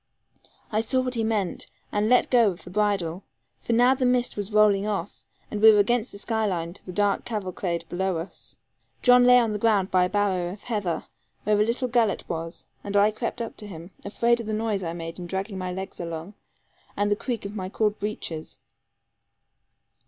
I saw what he meant, and let go the bridle; for now the mist was rolling off, and we were against the sky line to the dark cavalcade below us. John lay on the ground by a barrow of heather, where a little gullet was, and I crept to him, afraid of the noise I made in dragging my legs along, and the creak of my cord breeches.